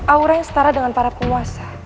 aura yang setara dengan para penguasa